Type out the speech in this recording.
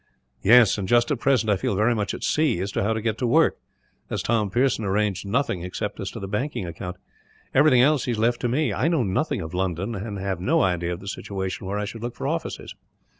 "Yes, and just at present I feel very much at sea as to how to get to work, as Tom Pearson arranged nothing except as to the banking account. Everything else he has left to me. I know nothing of London, and have no idea of the situation where I should look for offices."